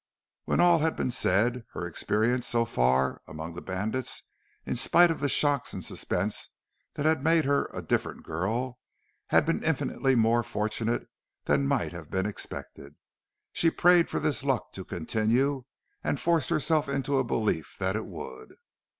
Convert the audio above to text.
When all had been said, her experience so far among the bandits, in spite of the shocks and suspense that had made her a different girl, had been infinitely more fortunate than might have been expected. She prayed for this luck to continue and forced herself into a belief that it would.